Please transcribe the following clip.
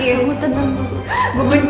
biar saya bawa gue ke luar